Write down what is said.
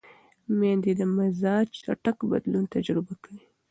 مېندې د مزاج چټک بدلون تجربه کوي.